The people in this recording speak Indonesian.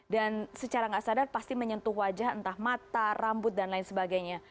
dan secara nggak sadar pasti menyentuh wajah entah mata rambut dan lain sebagainya